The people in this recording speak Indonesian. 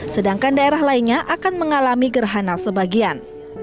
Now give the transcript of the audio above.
sedangkan daerah lainnya akan mengalami gerhana sebagian